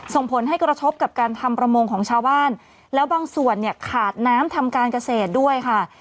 ส่งผลให้กระทบกับการทำประมงของชาวบ้านแล้วบางส่วนเนี่ยขาดน้ำทำการเกษตรด้วยค่ะ